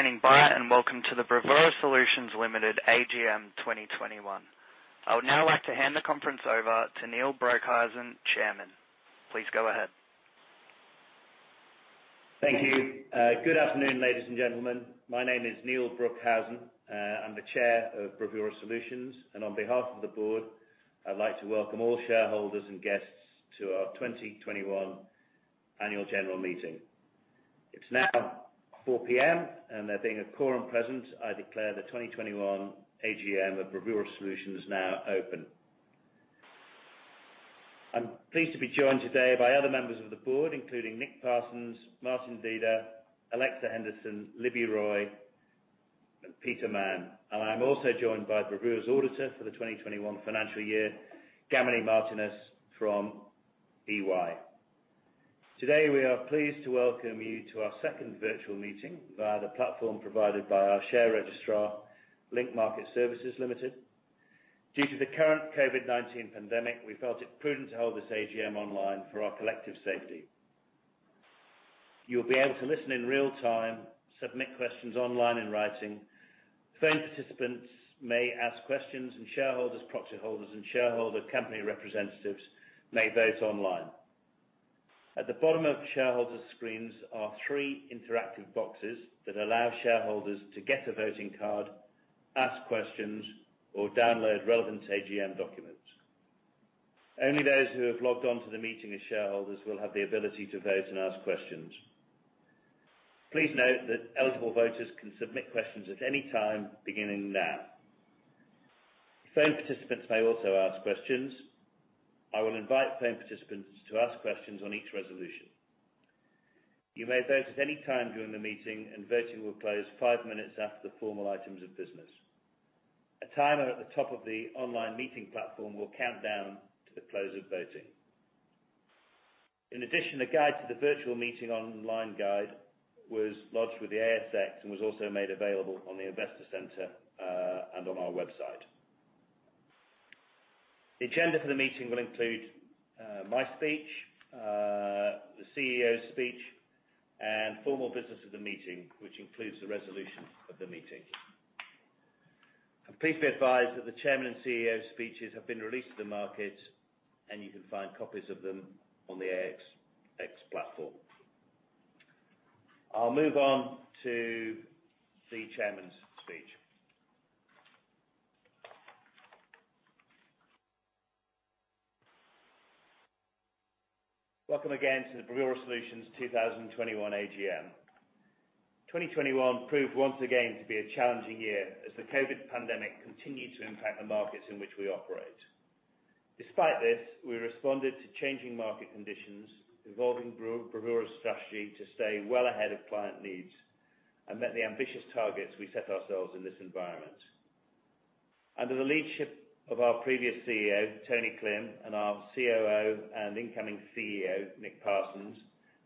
Thank you for standing by, and Welcome to the Bravura Solutions Limited AGM 2021. I would now like to hand the conference over to Neil Broekhuizen, Chairman. Please go ahead. Thank you. Good afternoon, ladies and gentlemen. My name is Neil Broekhuizen. I'm the Chair of Bravura Solutions. On behalf of the board, I'd like to welcome all shareholders and guests to our 2021 annual general meeting. It's now 4:00 P.M., and there being a quorum present, I declare the 2021 AGM of Bravura Solutions now open. I'm pleased to be joined today by other members of the board, including Nick Parsons, Martin Deda, Alexa Henderson, Libby Roy, and Peter Mann. I'm also joined by Bravura's auditor for the 2021 financial year, Gamini Martinus from EY. Today, we are pleased to welcome you to our second virtual meeting via the platform provided by our share registrar, Link Market Services Limited. Due to the current COVID-19 pandemic, we felt it prudent to hold this AGM online for our collective safety. You'll be able to listen in real time, submit questions online in writing. Phone participants may ask questions, and shareholders, proxy holders, and shareholder company representatives may vote online. At the bottom of shareholders' screens are three interactive boxes that allow shareholders to get a voting card, ask questions, or download relevant AGM documents. Only those who have logged on to the meeting as shareholders will have the ability to vote and ask questions. Please note that eligible voters can submit questions at any time, beginning now. Phone participants may also ask questions. I will invite phone participants to ask questions on each resolution. You may vote at any time during the meeting, and voting will close five minutes after the formal items of business. A timer at the top of the online meeting platform will count down to the close of voting. In addition, a guide to the virtual meeting online guide was lodged with the ASX and was also made available on the Investor Centre, and on our website. The agenda for the meeting will include, my speech, the CEO's speech, and formal business of the meeting, which includes the resolution of the meeting. Please be advised that the Chairman and CEO's speeches have been released to the market, and you can find copies of them on the ASX platform. I'll move on to the Chairman's speech. Welcome again to the Bravura Solutions 2021 AGM. 2021 proved once again to be a challenging year as the COVID pandemic continued to impact the markets in which we operate. Despite this, we responded to changing market conditions, evolving Bravura's strategy to stay well ahead of client needs and met the ambitious targets we set ourselves in this environment. Under the leadership of our previous CEO, Tony Klim, and our COO and incoming CEO, Nick Parsons,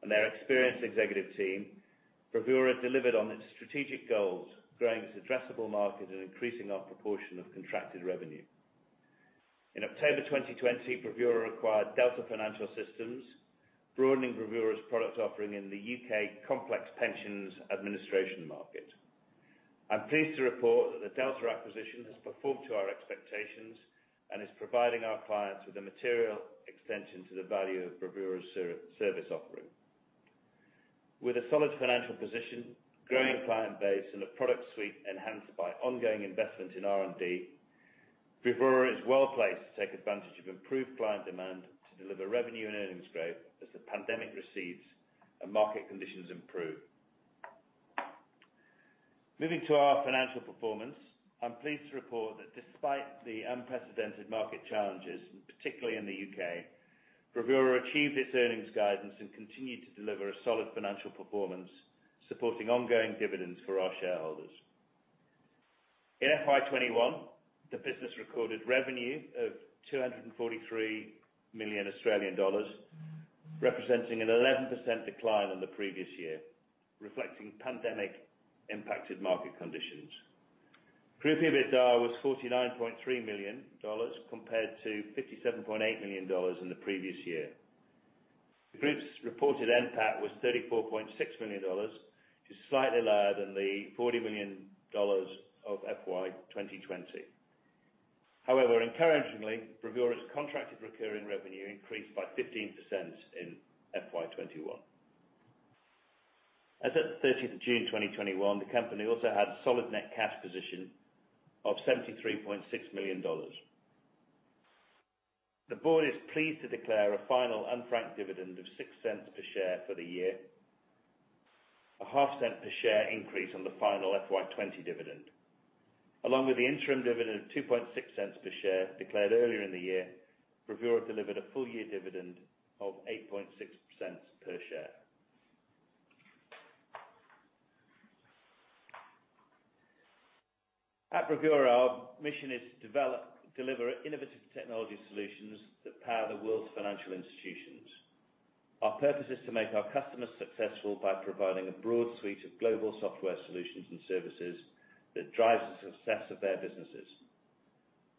and their experienced executive team, Bravura delivered on its strategic goals, growing its addressable market and increasing our proportion of contracted revenue. In October 2020, Bravura acquired Delta Financial Systems, broadening Bravura's product offering in the U.K. complex pensions administration market. I'm pleased to report that the Delta acquisition has performed to our expectations and is providing our clients with a material extension to the value of Bravura's service offering. With a solid financial position, growing client base, and a product suite enhanced by ongoing investment in R&D, Bravura is well placed to take advantage of improved client demand to deliver revenue and earnings growth as the pandemic recedes and market conditions improve. Moving to our financial performance, I'm pleased to report that despite the unprecedented market challenges, and particularly in the U.K., Bravura achieved its earnings guidance and continued to deliver a solid financial performance, supporting ongoing dividends for our shareholders. In FY 2021, the business recorded revenue of 243 million Australian dollars, representing an 11% decline on the previous year, reflecting pandemic-impacted market conditions. Group EBITDA was 49.3 million dollars compared to 57.8 million dollars in the previous year. The group's reported NPAT was 34.6 million dollars, which is slightly lower than the 40 million dollars of FY 2020. However, encouragingly, Bravura's contracted recurring revenue increased by 15% in FY 2021. As at June 30th, 2021 the company also had a solid net cash position of 73.6 million dollars. The board is pleased to declare a final unfranked dividend of 0.06 per share for the year, a half cent per share increase on the final FY 2020 dividend. Along with the interim dividend of 0.026 per share declared earlier in the year, Bravura delivered a full-year dividend of 0.086 per share. At Bravura, our mission is to deliver innovative technology solutions that power the world's financial institutions. Our purpose is to make our customers successful by providing a broad suite of global software solutions and services that drives the success of their businesses.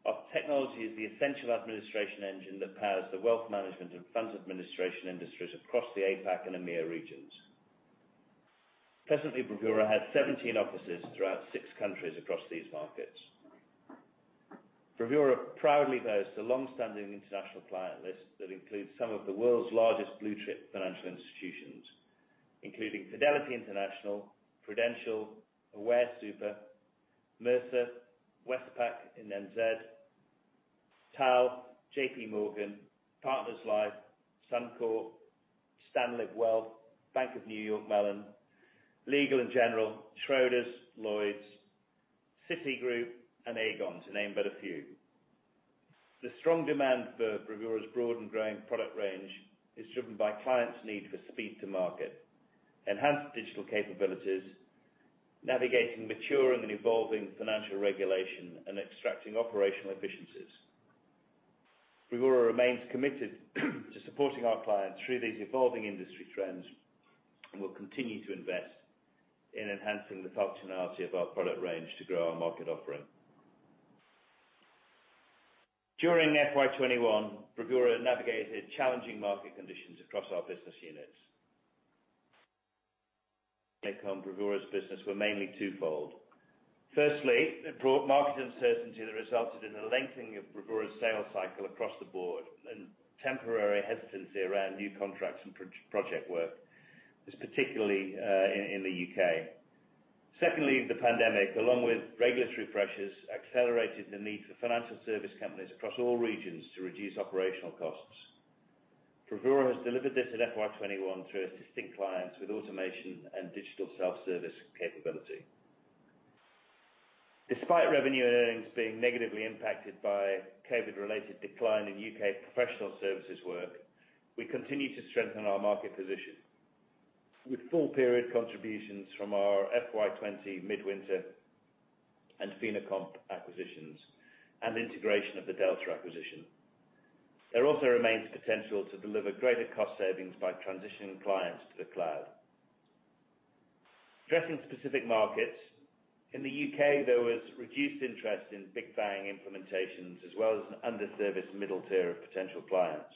Our technology is the essential administration engine that powers the wealth management and funds administration industries across the APAC and EMEA regions. Presently, Bravura has 17 offices throughout six countries across these markets. Bravura proudly boasts a long-standing international client list that includes some of the world's largest blue-chip financial institutions, including Fidelity International, Prudential, Aware Super, Mercer, Westpac, and NZX, TAL, JPMorgan, Partners Life, Suncorp, STANLIB Wealth Management, Bank of New York Mellon, Legal & General, Schroders, Lloyds, Citigroup, and Aegon, to name but a few. The strong demand for Bravura's broad and growing product range is driven by clients' need for speed to market, enhanced digital capabilities, navigating maturing and evolving financial regulation, and extracting operational efficiencies. Bravura remains committed to supporting our clients through these evolving industry trends, and we'll continue to invest in enhancing the functionality of our product range to grow our market offering. During FY 2021, Bravura navigated challenging market conditions across our business units. The impacts on Bravura's business were mainly twofold. Firstly, it brought market uncertainty that resulted in the lengthening of Bravura's sales cycle across the board and temporary hesitancy around new contracts and pre-project work, this particularly in the U.K. Secondly, the pandemic, along with regulatory pressures, accelerated the need for financial service companies across all regions to reduce operational costs. Bravura has delivered this in FY 2021 through assisting clients with automation and digital self-service capability. Despite revenue and earnings being negatively impacted by COVID-19-related decline in U.K. professional services work, we continue to strengthen our market position. With full-period contributions from our FY 2020 Midwinter and FinoComp acquisitions and integration of the Delta acquisition. There also remains potential to deliver greater cost savings by transitioning clients to the cloud. Addressing specific markets, in the U.K., there was reduced interest in Big Bang implementations as well as an underserviced middle tier of potential clients.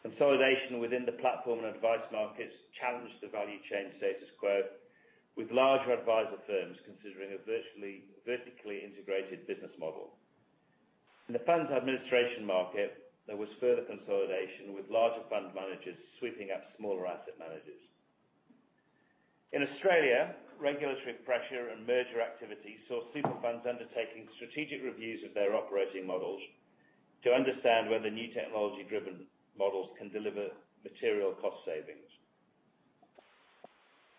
Consolidation within the platform and advice markets challenged the value chain status quo with larger advisor firms considering a vertically integrated business model. In the funds administration market, there was further consolidation, with larger fund managers sweeping up smaller asset managers. In Australia, regulatory pressure and merger activity saw super funds undertaking strategic reviews of their operating models to understand whether new technology-driven models can deliver material cost savings.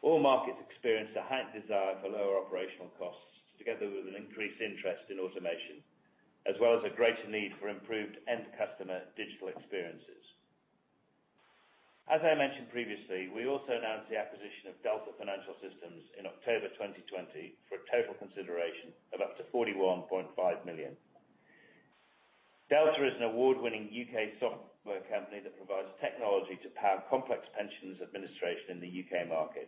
All markets experienced a heightened desire for lower operational costs, together with an increased interest in automation, as well as a greater need for improved end-customer digital experiences. As I mentioned previously, we also announced the acquisition of Delta Financial Systems in October 2020 for a total consideration of up to 41.5 million. Delta is an award-winning U.K. software company that provides technology to power complex pensions administration in the U.K. market.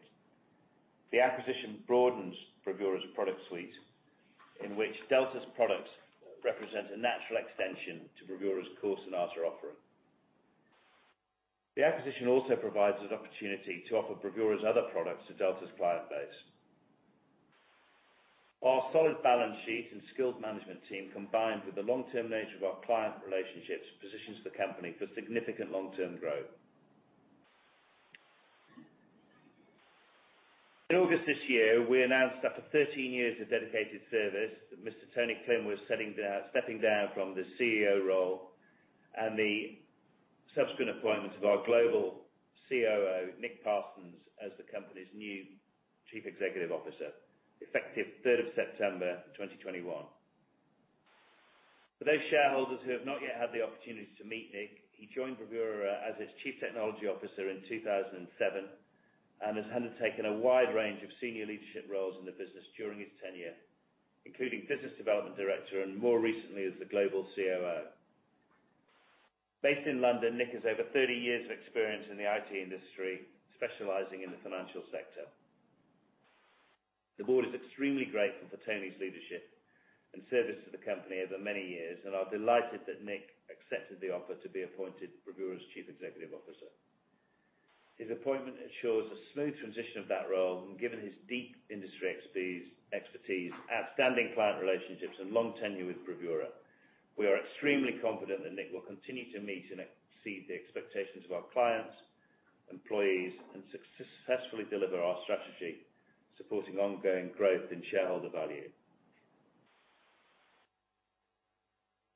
The acquisition broadens Bravura's product suite, in which Delta's products represent a natural extension to Bravura's core Sonata offering. The acquisition also provides us opportunity to offer Bravura's other products to Delta's client base. Our solid balance sheet and skilled management team, combined with the long-term nature of our client relationships, positions the company for significant long-term growth. In August this year, we announced that after 13 years of dedicated service that Mr. Tony Klim was stepping down from the CEO role, and the subsequent appointments of our Global COO, Nick Parsons, as the company's new Chief Executive Officer, effective the third of September 2021. For those shareholders who have not yet had the opportunity to meet Nick, he joined Bravura as its Chief Technology Officer in 2007 and has undertaken a wide range of senior leadership roles in the business during his tenure, including Business Development Director and more recently as the Global COO. Based in London, Nick has over 30 years of experience in the IT industry, specializing in the financial sector. The board is extremely grateful for Tony's leadership and service to the company over many years, and are delighted that Nick accepted the offer to be appointed Bravura's Chief Executive Officer. His appointment ensures a smooth transition of that role, and given his deep industry expertise, outstanding client relationships, and long tenure with Bravura, we are extremely confident that Nick will continue to meet and exceed the expectations of our clients, employees, and successfully deliver our strategy, supporting ongoing growth and shareholder value.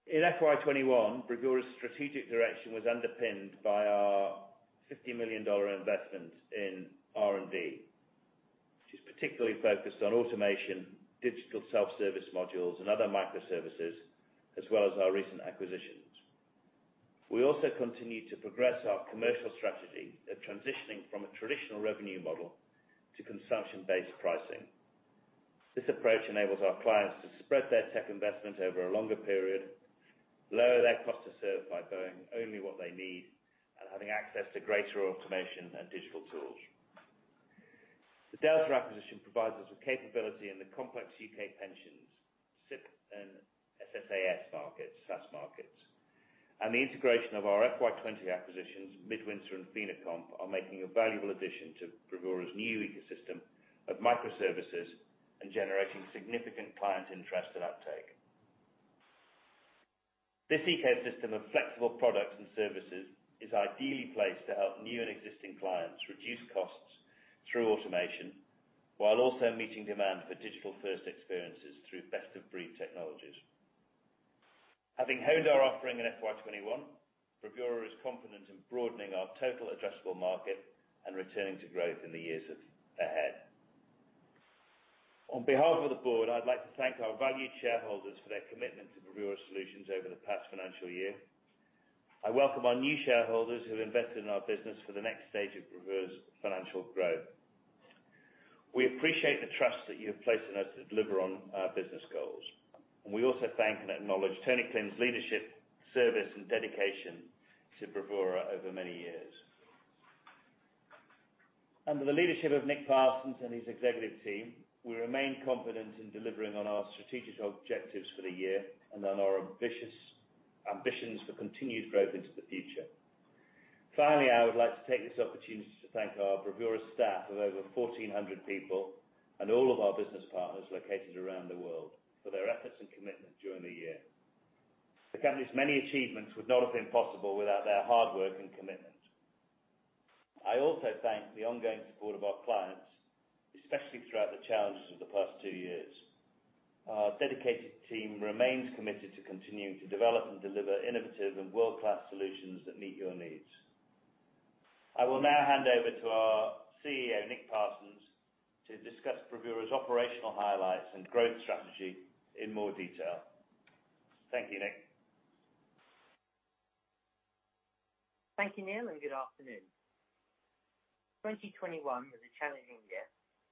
In FY 2021, Bravura's strategic direction was underpinned by our 50 million dollar investment in R&D, which is particularly focused on automation, digital self-service modules, and other microservices, as well as our recent acquisitions. We also continued to progress our commercial strategy of transitioning from a traditional revenue model to consumption-based pricing. This approach enables our clients to spread their tech investment over a longer period, lower their cost to serve by paying only what they need, and having access to greater automation and digital tools. The Delta acquisition provides us with capability in the complex U.K. pensions, SIPP and SSAS markets. The integration of our FY 2021 acquisitions, Midwinter and FinoComp, are making a valuable addition to Bravura's new ecosystem of microservices and generating significant client interest and uptake. This ecosystem of flexible products and services is ideally placed to help new and existing clients reduce costs through automation, while also meeting demand for digital-first experiences through best-of-breed technologies. Having honed our offering in FY 2021, Bravura is confident in broadening our total addressable market and returning to growth in the years ahead. On behalf of the board, I'd like to thank our valued shareholders for their commitment to Bravura Solutions over the past financial year. I welcome our new shareholders who have invested in our business for the next stage of Bravura's financial growth. We appreciate the trust that you have placed in us to deliver on our business goals. We also thank and acknowledge Tony Klim's leadership, service, and dedication to Bravura over many years. Under the leadership of Nick Parsons and his executive team, we remain confident in delivering on our strategic objectives for the year and on our ambitious ambitions for continued growth into the future. Finally, I would like to take this opportunity to thank our Bravura staff of over 1,400 people and all of our business partners located around the world for their efforts and commitment during the year. The company's many achievements would not have been possible without their hard work and commitment. I also thank the ongoing support of our clients, especially throughout the challenges of the past two years. Our dedicated team remains committed to continuing to develop and deliver innovative and world-class solutions that meet your needs. I will now hand over to our CEO, Nick Parsons, to discuss Bravura's operational highlights and growth strategy in more detail. Thank you, Nick. Thank you, Neil, and good afternoon. 2021 was a challenging year,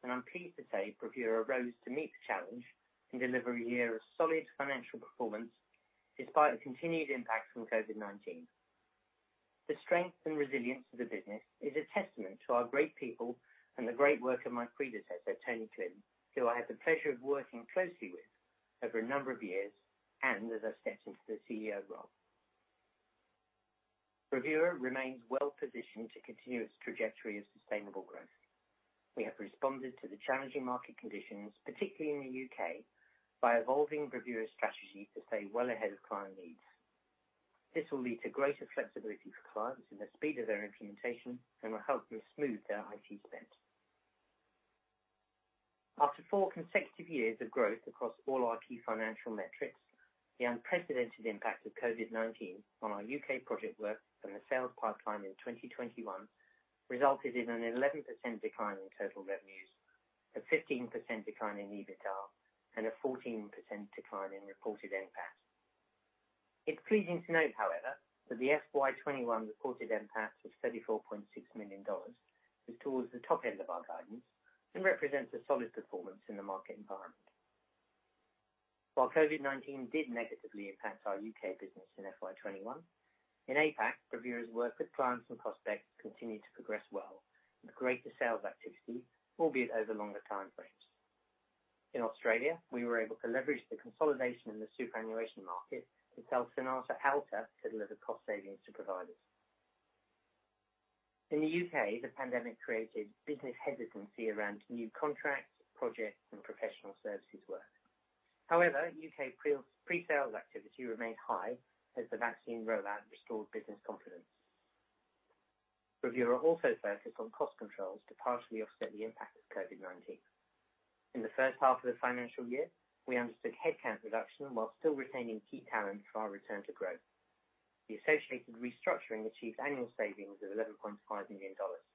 and I'm pleased to say Bravura rose to meet the challenge and deliver a year of solid financial performance despite the continued impact from COVID-19. The strength and resilience of the business is a testament to our great people and the great work of my predecessor, Tony Klim, who I had the pleasure of working closely with over a number of years, and as I step into the CEO role. Bravura remains well-positioned to continue its trajectory of sustainable growth. We have responded to the challenging market conditions, particularly in the U.K., by evolving Bravura's strategy to stay well ahead of client needs. This will lead to greater flexibility for clients in the speed of their implementation and will help them smooth their IT spend. After four consecutive years of growth across all our key financial metrics, the unprecedented impact of COVID-19 on our U.K. project work and the sales pipeline in 2021 resulted in an 11% decline in total revenues, a 15% decline in EBITDA, and a 14% decline in reported NPAT. It's pleasing to note, however, that the FY 2021 reported NPAT of AUD 34.6 million is towards the top end of our guidance and represents a solid performance in the market environment. While COVID-19 did negatively impact our U.K. business in FY 2021, in APAC, Bravura's work with clients and prospects continued to progress well, with greater sales activity, albeit over longer time frames. In Australia, we were able to leverage the consolidation in the superannuation market to sell Sonata Alta to deliver cost savings to providers. In the U.K., the pandemic created business hesitancy around new contracts, projects, and professional services work. However, U.K. pre-sales activity remained high as the vaccine rollout restored business confidence. Bravura also focused on cost controls to partially offset the impact of COVID-19. In the first half of the financial year, we undertook headcount reduction while still retaining key talent for our return to growth. The associated restructuring achieved annual savings of 11.5 million dollars.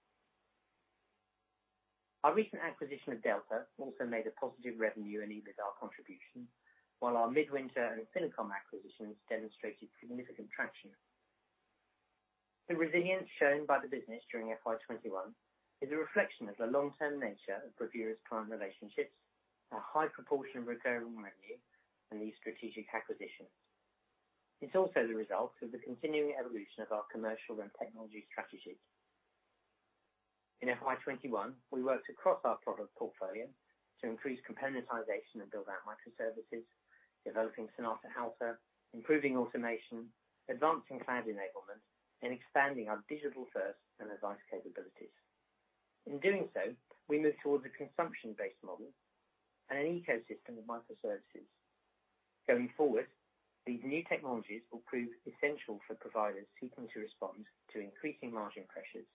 Our recent acquisition of Delta also made a positive revenue and EBITDA contribution, while our Midwinter and FinoComp acquisitions demonstrated significant traction. The resilience shown by the business during FY 2021 is a reflection of the long-term nature of Bravura's client relationships, our high proportion of recurring revenue, and these strategic acquisitions. It's also the result of the continuing evolution of our commercial and technology strategies. In FY 2021, we worked across our product portfolio to increase componentization and build out microservices, developing Sonata Alta, improving automation, advancing cloud enablement, and expanding our digital first and advice capabilities. In doing so, we moved towards a consumption-based model and an ecosystem of microservices. Going forward, these new technologies will prove essential for providers seeking to respond to increasing margin pressures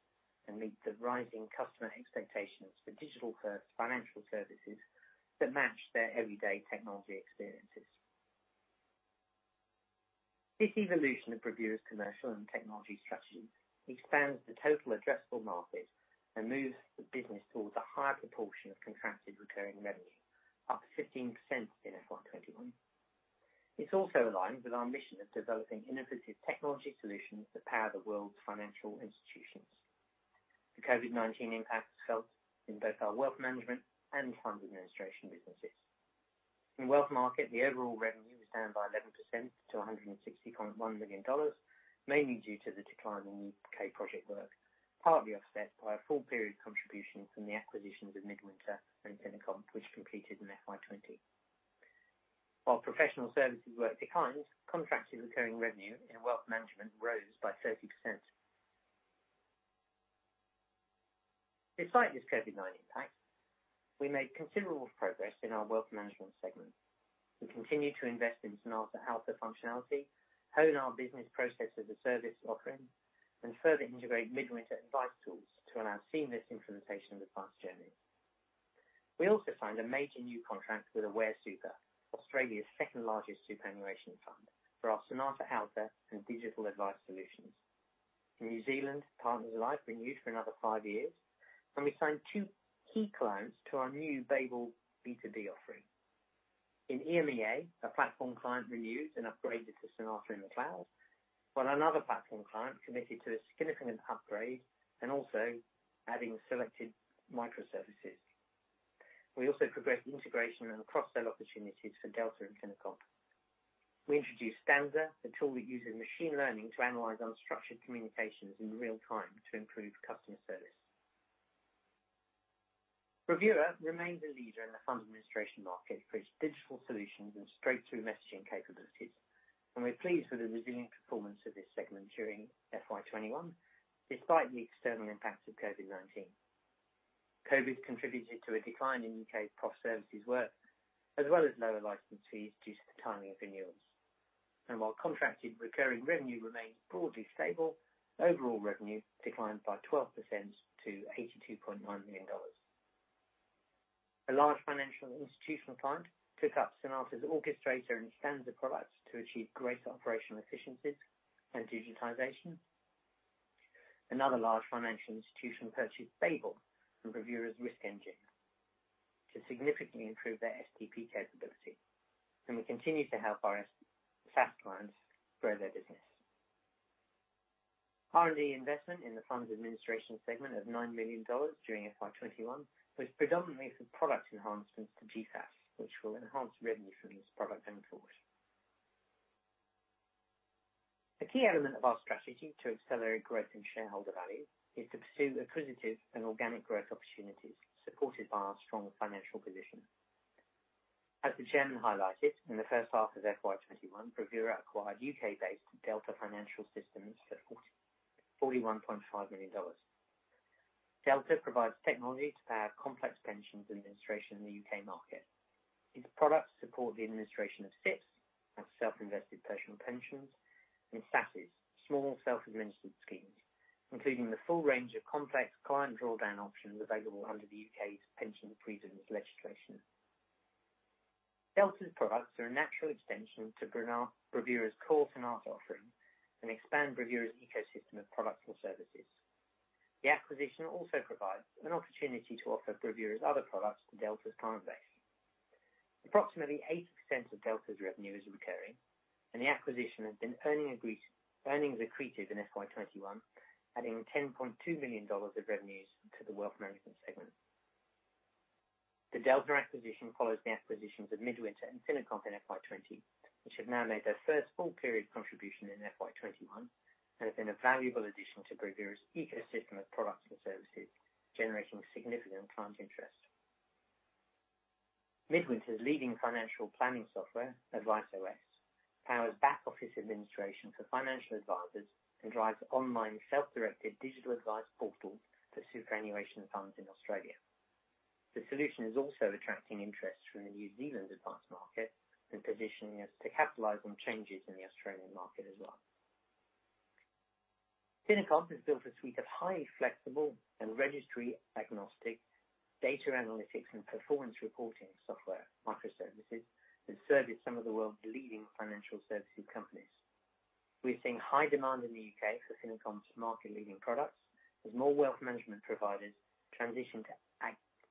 and meet the rising customer expectations for digital first financial services that match their everyday technology experiences. This evolution of Bravura's commercial and technology strategy expands the total addressable market and moves the business towards a higher proportion of contracted recurring revenue, up 15% in FY 2021. It's also aligned with our mission of developing innovative technology solutions that power the world's financial institutions. The COVID-19 impact was felt in both our wealth management and fund administration businesses. In wealth market, the overall revenue was down by 11% to 160.1 million dollars, mainly due to the decline in U.K. project work, partly offset by a full period contribution from the acquisitions of Midwinter and FinoComp, which completed in FY 2020. While professional services work declines, contracted recurring revenue in wealth management rose by 30%. Despite this COVID-19 impact, we made considerable progress in our wealth management segment. We continue to invest in Sonata Alta functionality, hone our business process as a service offering, and further integrate Midwinter advice tools to allow seamless implementation of advanced journeys. We also signed a major new contract with Aware Super, Australia's second largest superannuation fund, for our Sonata Alta and Digital Advice solutions. In New Zealand, Partners Life renewed for another five years, and we signed two key clients to our new Babel B2B offering. In EMEA, a platform client renewed and upgraded to Sonata in the cloud, while another platform client committed to a significant upgrade and also adding selected microservices. We also progressed integration and cross-sell opportunities for Delta and FinoComp. We introduced Stanza, a tool that uses machine learning to analyze unstructured communications in real time to improve customer service. Bravura remains a leader in the funds administration market for its digital solutions and straight-through messaging capabilities, and we're pleased with the resilient performance of this segment during FY 2021, despite the external impacts of COVID-19. COVID contributed to a decline in U.K. prof services work, as well as lower license fees due to the timing of renewals. While contracted recurring revenue remained broadly stable, overall revenue declined by 12% to 82.9 million dollars. A large financial institutional client took up Sonata's Orchestrator and Stanza products to achieve greater operational efficiencies and digitization. Another large financial institution purchased Babel and Bravura's risk engine to significantly improve their STP capability. We continue to help our SaaS clients grow their business. R&D investment in the funds administration segment of 9 million dollars during FY 2021 was predominantly for product enhancements to GFAS, which will enhance revenue from this product going forward. A key element of our strategy to accelerate growth in shareholder value is to pursue acquisitive and organic growth opportunities supported by our strong financial position. As the chairman highlighted, in the first half of FY 2021, Bravura acquired U.K.-based Delta Financial Systems for 41.5 million dollars. Delta provides technology to power complex pensions administration in the U.K. market. These products support the administration of SIPPs, or self-invested personal pensions, and SSAS, small self-administered schemes, including the full range of complex client drawdown options available under the U.K.'s pension freedoms legislation. Delta's products are a natural extension to Bravura's core Sonata offering and expand Bravura's ecosystem of products or services. The acquisition also provides an opportunity to offer Bravura's other products to Delta's client base. Approximately 80% of Delta's revenue is recurring, and the acquisition has been earnings accretive in FY 2021, adding 10.2 million dollars of revenues to the wealth management segment. The Delta acquisition follows the acquisitions of Midwinter and FinoComp in FY 2020, which have now made their first full-period contribution in FY 2021 and have been a valuable addition to Bravura's ecosystem of products and services, generating significant client interest. Midwinter's leading financial planning software, AdviceOS, powers back-office administration for financial advisors and drives online self-directed digital advice portals for superannuation funds in Australia. The solution is also attracting interest from the New Zealand advice market and positioning us to capitalize on changes in the Australian market as well. FinoComp has built a suite of highly flexible and registry-agnostic data analytics and performance reporting software microservices that service some of the world's leading financial services companies. We're seeing high demand in the U.K. for FinoComp's market-leading products as more wealth management providers transition to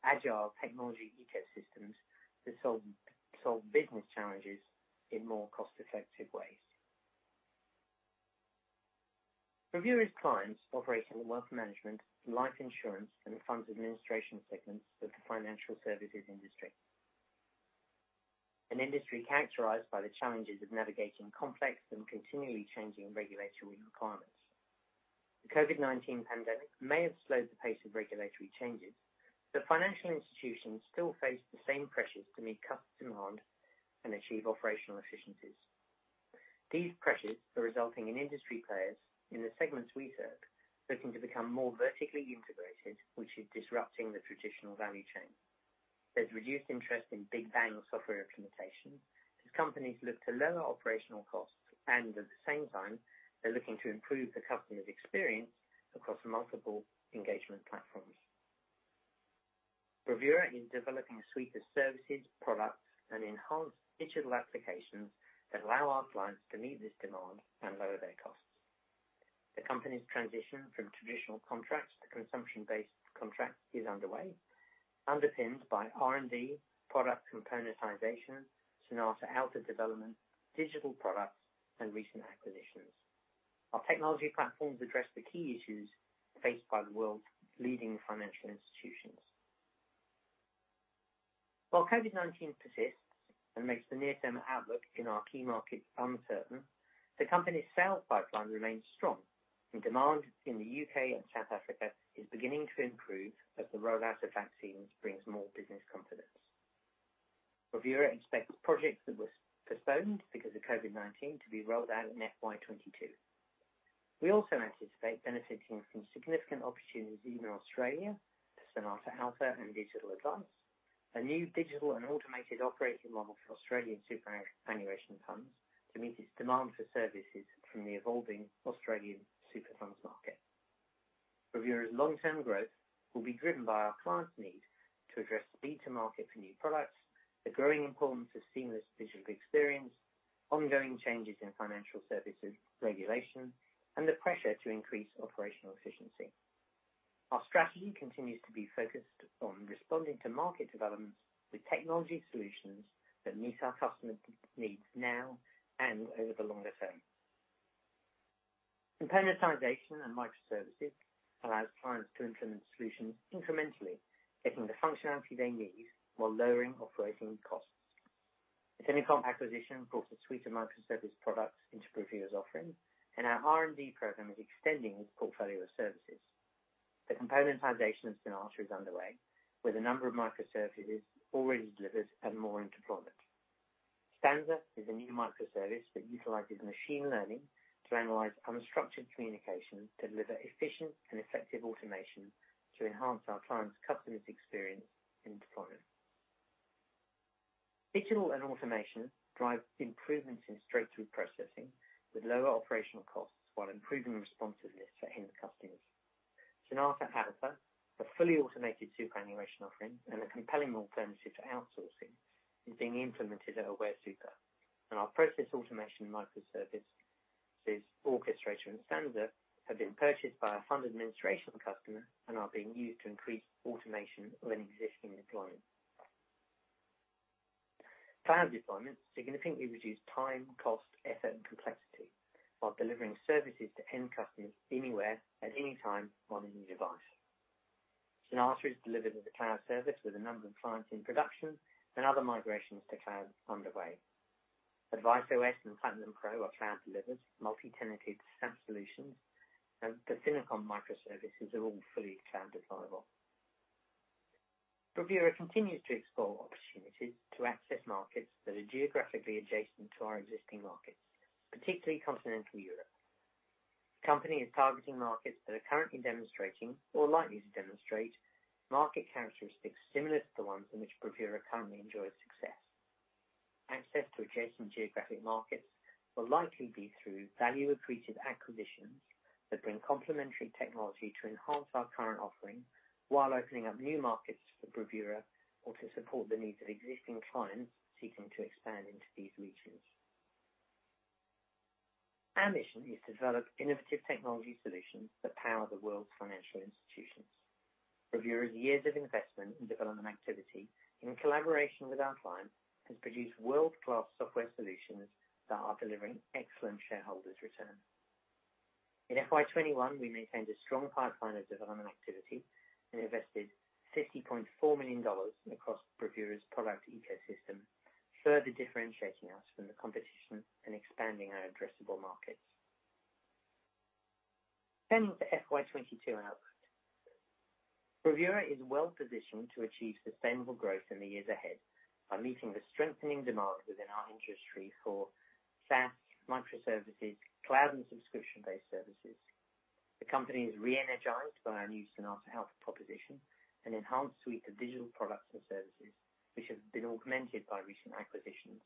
agile technology ecosystems to solve business challenges in more cost-effective ways. Bravura's clients operate in the wealth management, life insurance, and funds administration segments of the financial services industry, an industry characterized by the challenges of navigating complex and continually changing regulatory requirements. The COVID-19 pandemic may have slowed the pace of regulatory changes, but financial institutions still face the same pressures to meet customer demand and achieve operational efficiencies. These pressures are resulting in industry players in the segments we serve looking to become more vertically integrated, which is disrupting the traditional value chain. There's reduced interest in big bang software implementation as companies look to lower operational costs. At the same time, they're looking to improve the customer's experience across multiple engagement platforms. Bravura is developing a suite of services, products, and enhanced digital applications that allow our clients to meet this demand and lower their costs. The company's transition from traditional contracts to consumption-based contracts is underway, underpinned by R&D, product componentization, Sonata Alta development, digital products, and recent acquisitions. Our technology platforms address the key issues faced by the world's leading financial institutions. While COVID-19 persists and makes the near-term outlook in our key markets uncertain, the company's sales pipeline remains strong, and demand in the U.K. and South Africa is beginning to improve as the rollout of vaccines brings more business confidence. Bravura expects projects that were postponed because of COVID-19 to be rolled out in FY 2022. We also anticipate benefiting from significant opportunities in Australia to Sonata Alta and Digital Advice, a new digital and automated operating model for Australian superannuation funds to meet its demand for services from the evolving Australian super funds market. Bravura's long-term growth will be driven by our clients' need to address speed to market for new products, the growing importance of seamless digital experience, ongoing changes in financial services regulation, and the pressure to increase operational efficiency. Our strategy continues to be focused on responding to market developments with technology solutions that meet our customers' needs now and over the longer term. Componentization and microservices allows clients to implement solutions incrementally, getting the functionality they need while lowering operating costs. The FinoComp acquisition brought a suite of microservice products into Bravura's offering, and our R&D program is extending its portfolio of services. The componentization of Sonata is underway, with a number of microservices already delivered and more in deployment. Stanza is a new microservice that utilizes machine learning to analyze unstructured communication to deliver efficient and effective automation to enhance our clients' customers' experience in deployment. Digital and automation drive improvements in straight-through processing with lower operational costs while improving responsiveness for end customers. Sonata Alta, a fully automated superannuation offering and a compelling alternative to outsourcing, is being implemented at Aware Super. Our process automation microservice is orchestrator and stanza have been purchased by a fund administration customer and are being used to increase automation in existing deployment. Cloud deployments significantly reduce time, cost, effort, and complexity while delivering services to end customers anywhere at any time on any device. Sonata is delivered as a cloud service with a number of clients in production and other migrations to cloud underway. AdviceOS and Platinum Pro are cloud-delivered, multi-tenanted SaaS solutions. The FinoComp microservices are all fully cloud deployable. Bravura continues to explore opportunities to access markets that are geographically adjacent to our existing markets, particularly continental Europe. The company is targeting markets that are currently demonstrating or likely to demonstrate market characteristics similar to the ones in which Bravura currently enjoys success. Access to adjacent geographic markets will likely be through value-accretive acquisitions that bring complementary technology to enhance our current offering while opening up new markets for Bravura or to support the needs of existing clients seeking to expand into these regions. Our mission is to develop innovative technology solutions that power the world's financial institutions. Bravura's years of investment in development activity in collaboration with our clients has produced world-class software solutions that are delivering excellent shareholders' return. In FY 2021, we maintained a strong pipeline of development activity and invested 50.4 million dollars across Bravura's product ecosystem, further differentiating us from the competition and expanding our addressable markets. Turning to FY 2022 outlook. Bravura is well positioned to achieve sustainable growth in the years ahead by meeting the strengthening demand within our industry for SaaS, microservices, cloud, and subscription-based services. The company is re-energized by our new Sonata Helper proposition and enhanced suite of digital products and services, which have been augmented by recent acquisitions.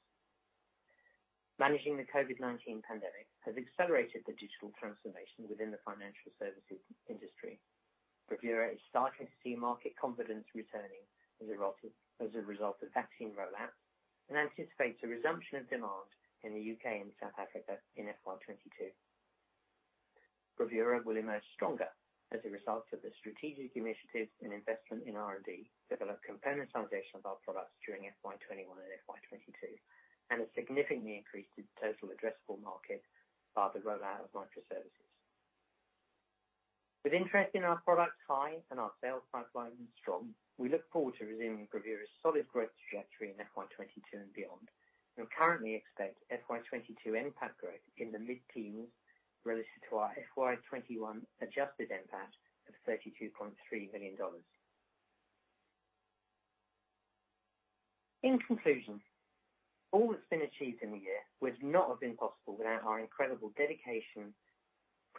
Managing the COVID-19 pandemic has accelerated the digital transformation within the financial services industry. Bravura is starting to see market confidence returning as a result of vaccine rollout and anticipates a resumption of demand in the U.K. and South Africa in FY 2022. Bravura will emerge stronger as a result of the strategic initiatives and investment in R&D, development, componentization of our products during FY 2021 and FY 2022, and a significantly increased total addressable market by the rollout of microservices. With interest in our products high and our sales pipeline strong, we look forward to resuming Bravura's solid growth trajectory in FY 2022 and beyond. We currently expect FY 2022 NPAT growth in the mid-teens relative to our FY 2021 adjusted NPAT of AUD 32.3 million. In conclusion, all that's been achieved in the year would not have been possible without our incredible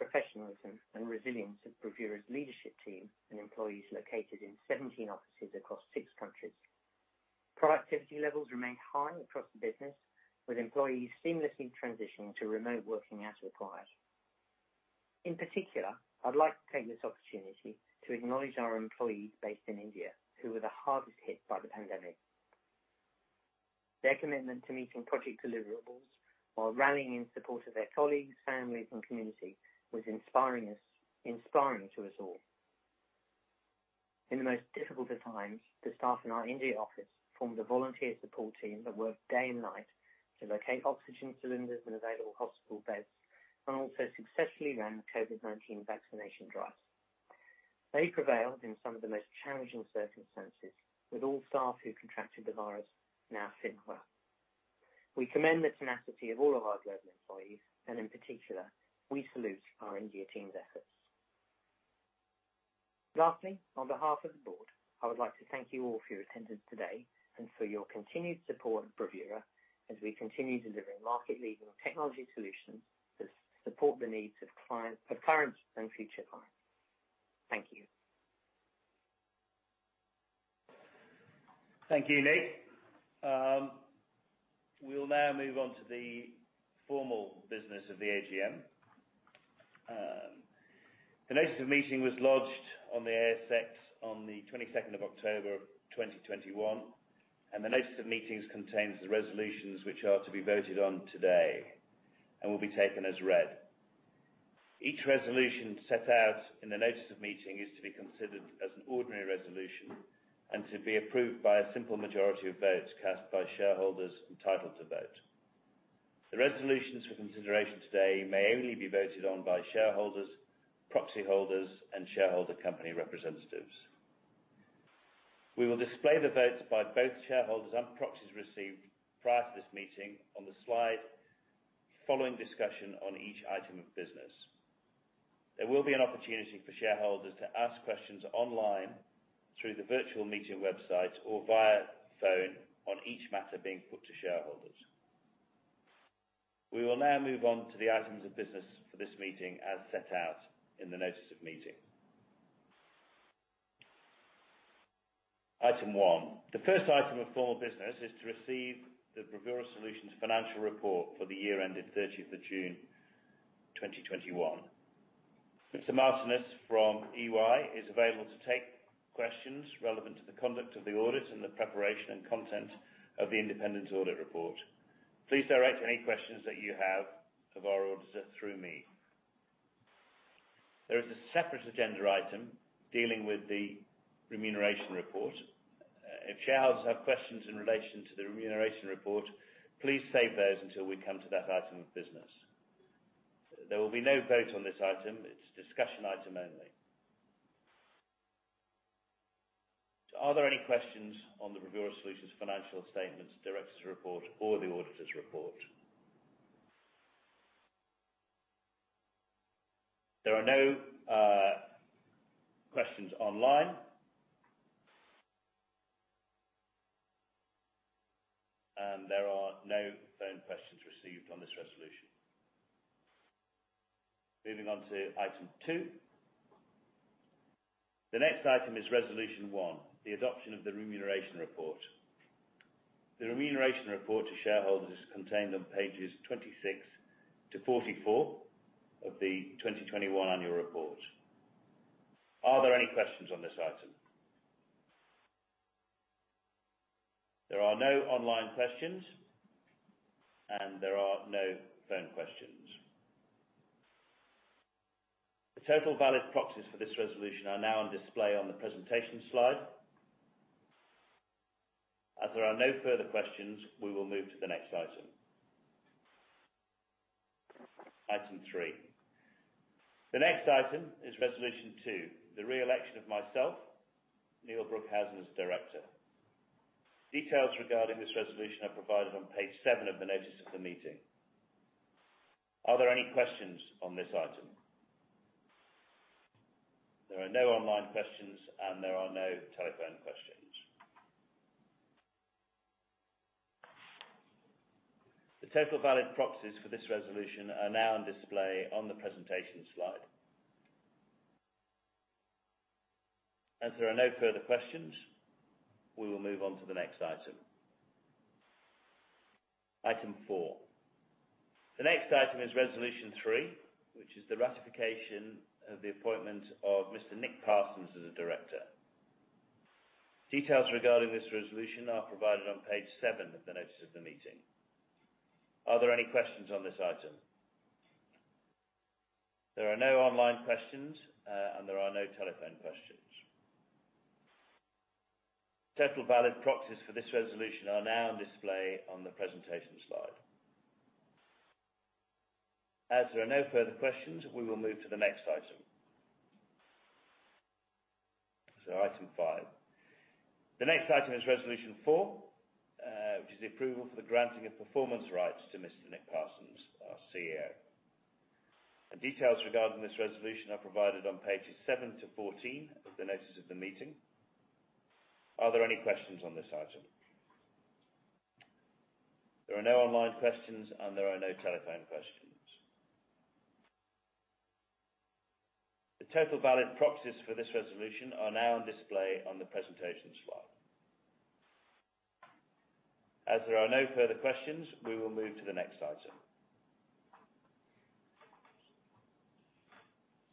dedication, professionalism, and resilience of Bravura's leadership team and employees located in 17 offices across six countries. Productivity levels remain high across the business, with employees seamlessly transitioning to remote working as required. In particular, I'd like to take this opportunity to acknowledge our employees based in India, who were the hardest hit by the pandemic. Their commitment to meeting project deliverables while rallying in support of their colleagues, families, and community was inspiring to us all. In the most difficult of times, the staff in our India office formed a volunteer support team that worked day and night to locate oxygen cylinders and available hospital beds, and also successfully ran the COVID-19 vaccination drives. They prevailed in some of the most challenging circumstances with all staff who contracted the virus now fit and well. We commend the tenacity of all of our global employees, and in particular, we salute our India team's efforts. Lastly, on behalf of the board, I would like to thank you all for your attendance today, and for your continued support of Bravura as we continue delivering market-leading technology solutions to support the needs of current and future clients. Thank you. Thank you, Nick. We'll now move on to the formal business of the AGM. The notice of meeting was lodged on the ASX on the 22nd of October of 2021, and the notice of meetings contains the resolutions which are to be voted on today and will be taken as read. Each resolution set out in the notice of meeting is to be considered as an ordinary resolution and to be approved by a simple majority of votes cast by shareholders entitled to vote. The resolutions for consideration today may only be voted on by shareholders, proxy holders, and shareholder company representatives. We will display the votes by both shareholders and proxies received prior to this meeting on the slide following discussion on each item of business. There will be an opportunity for shareholders to ask questions online through the virtual meeting website or via phone on each matter being put to shareholders. We will now move on to the items of business for this meeting as set out in the notice of meeting. Item one. The first item of formal business is to receive the Bravura Solutions financial report for the year ended June 30th, 2021. Mr. Martinus from EY is available to take questions relevant to the conduct of the audit and the preparation and content of the independent audit report. Please direct any questions that you have of our auditor through me. There is a separate agenda item dealing with the remuneration report. If shareholders have questions in relation to the remuneration report, please save those until we come to that item of business. There will be no vote on this item. It's discussion item only. Are there any questions on the Bravura Solutions financial statements, directors' report or the auditor's report? There are no questions online. There are no phone questions received on this resolution. Moving on to item two. The next item is resolution one, the adoption of the remuneration report. The remuneration report to shareholders is contained on pages 26-44 of the 2021 annual report. Are there any questions on this item? There are no online questions, and there are no phone questions. The total valid proxies for this resolution are now on display on the presentation slide. As there are no further questions, we will move to the next item. Item three. The next item is resolution two, the re-election of myself, Neil Broekhuizen, as director. Details regarding this resolution are provided on page seven of the notice of the meeting. Are there any questions on this item? There are no online questions, and there are no telephone questions. The total valid proxies for this resolution are now on display on the presentation slide. As there are no further questions, we will move on to the next item. Item four. The next item is resolution three, which is the ratification of the appointment of Mr. Nick Parsons as a director. Details regarding this resolution are provided on page seven of the notice of the meeting. Are there any questions on this item? There are no online questions, and there are no telephone questions. Total valid proxies for this resolution are now on display on the presentation slide. As there are no further questions, we will move to the next item. Item five. The next item is resolution four, which is the approval for the granting of performance rights to Mr. Nick Parsons, our CEO. Details regarding this resolution are provided on pages 7-14 of the notice of the meeting. Are there any questions on this item? There are no online questions, and there are no telephone questions. The total valid proxies for this resolution are now on display on the presentation slide. As there are no further questions, we will move to the next item.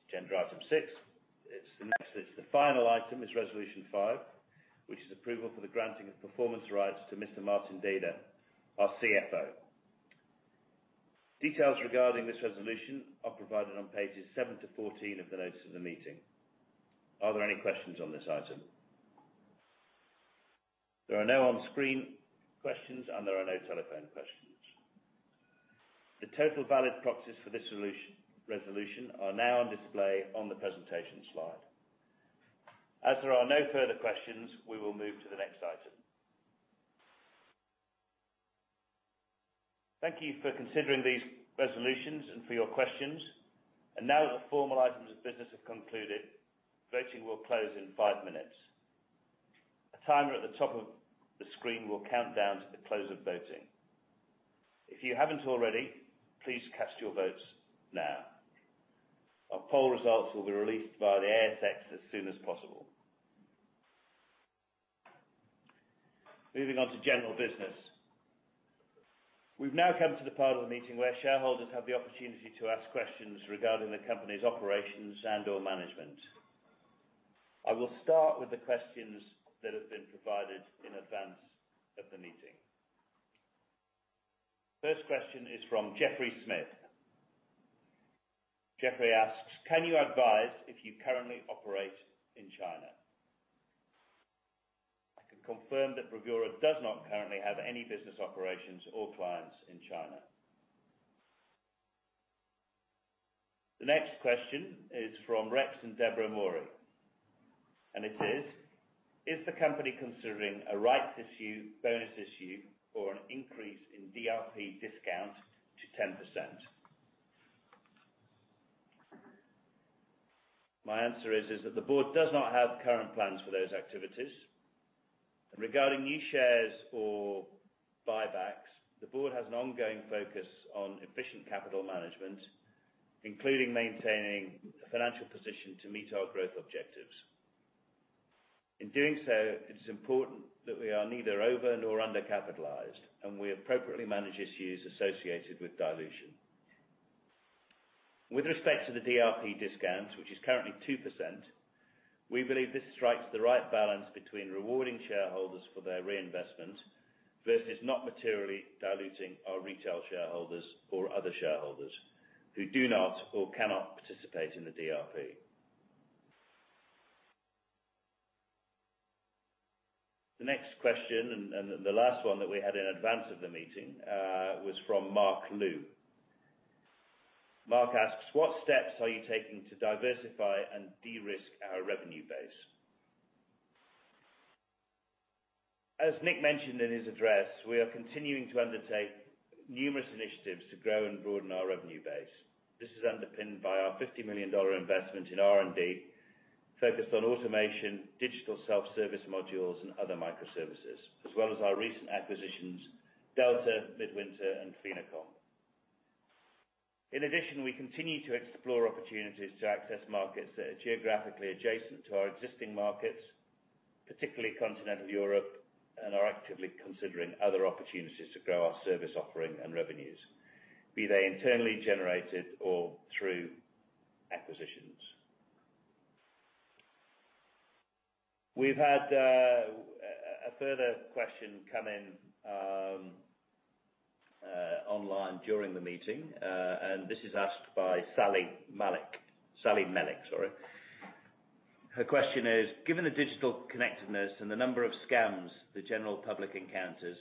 Agenda item six. It's the final item is resolution five, which is approval for the granting of performance rights to Mr. Martin Deda, our CFO. Details regarding this resolution are provided on pages 7 to 14 of the notice of the meeting. Are there any questions on this item? There are no on-screen questions, and there are no telephone questions. The total valid proxies for this resolution are now on display on the presentation slide. As there are no further questions, we will move to the next item. Thank you for considering these resolutions and for your questions. Now that the formal items of business have concluded, voting will close in five minutes. A timer at the top of the screen will count down to the close of voting. If you haven't already, please cast your votes now. Our poll results will be released via the ASX as soon as possible. Moving on to general business. We've now come to the part of the meeting where shareholders have the opportunity to ask questions regarding the company's operations and/or management. I will start with the questions that have been provided in advance of the meeting. First question is from Jeffrey Smith. Jeffrey Smith asks, "Can you advise if you currently operate in China?" I can confirm that Bravura does not currently have any business operations or clients in China. The next question is from Rex and Deborah Mori, and it is, "Is the company considering a rights issue, bonus issue or an increase in DRP discount to 10%?" My answer is that the board does not have current plans for those activities. Regarding new shares or buybacks, the board has an ongoing focus on efficient capital management, including maintaining a financial position to meet our growth objectives. In doing so, it is important that we are neither over nor under-capitalized, and we appropriately manage issues associated with dilution. With respect to the DRP discount, which is currently 2%, we believe this strikes the right balance between rewarding shareholders for their reinvestment versus not materially diluting our retail shareholders or other shareholders who do not or cannot participate in the DRP. The next question and the last one that we had in advance of the meeting was from Mark Lu. Mark asks, "What steps are you taking to diversify and de-risk our revenue base?" As Nick mentioned in his address, we are continuing to undertake numerous initiatives to grow and broaden our revenue base. This is underpinned by our 50 million dollar investment in R&D focused on automation, digital self-service modules, and other microservices, as well as our recent acquisitions Delta, Midwinter and FinoComp. In addition, we continue to explore opportunities to access markets that are geographically adjacent to our existing markets, particularly continental Europe, and are actively considering other opportunities to grow our service offering and revenues, be they internally generated or through acquisitions. We've had a further question come in online during the meeting, and this is asked by Sally Malik. Sally Malik, sorry. Her question is, "Given the digital connectedness and the number of scams the general public encounters,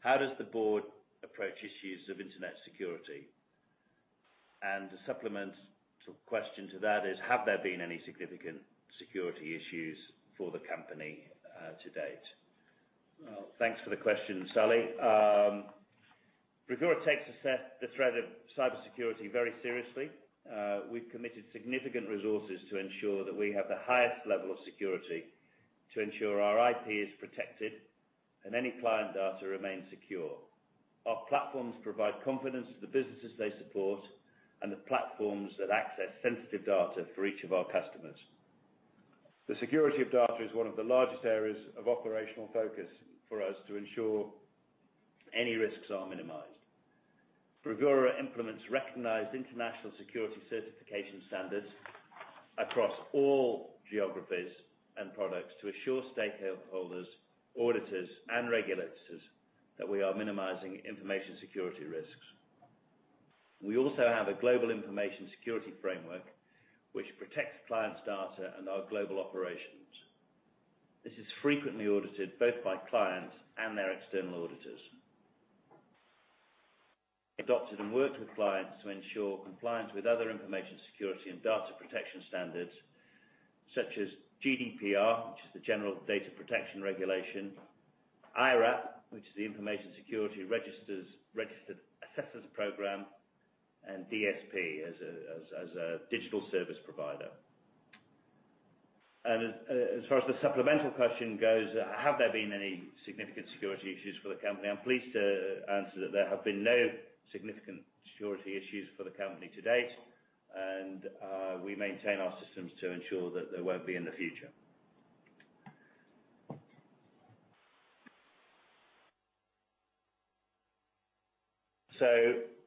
how does the board approach issues of internet security?" The supplementary question to that is, "Have there been any significant security issues for the company to date?" Well, thanks for the question, Sally. Bravura takes the threat of cybersecurity very seriously. We've committed significant resources to ensure that we have the highest level of security to ensure our IP is protected and any client data remains secure. Our platforms provide confidence to the businesses they support and the platforms that access sensitive data for each of our customers. The security of data is one of the largest areas of operational focus for us to ensure any risks are minimized. Bravura implements recognized international security certification standards across all geographies and products to assure stakeholders, auditors and regulators that we are minimizing information security risks. We also have a global information security framework which protects clients' data and our global operations. This is frequently audited both by clients and their external auditors. Adopted and worked with clients to ensure compliance with other information security and data protection standards such as GDPR, which is the General Data Protection Regulation, IRAP, which is the Information Security Registered Assessors Program, and DSP as a digital service provider. As far as the supplemental question goes, have there been any significant security issues for the company? I'm pleased to answer that there have been no significant security issues for the company to date, and we maintain our systems to ensure that there won't be in the future.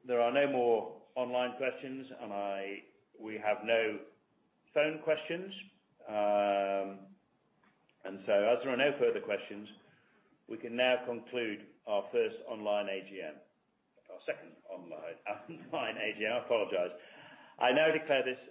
There are no more online questions, and we have no phone questions. As there are no further questions, we can now conclude our first online AGM. Our second online AGM. I apologize. I now declare this-